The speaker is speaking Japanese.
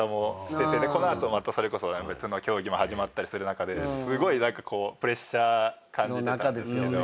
この後また別の競技も始まったりする中ですごい何かこうプレッシャー感じてたんですけど。